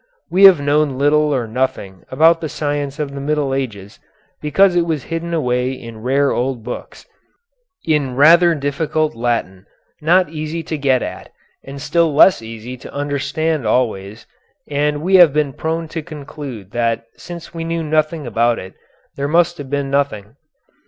We have known little or nothing about the science of the Middle Ages, because it was hidden away in rare old books, in rather difficult Latin, not easy to get at, and still less easy to understand always, and we have been prone to conclude that since we knew nothing about it, there must have been nothing.